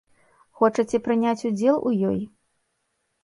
Хочаце прыняць удзел у ёй?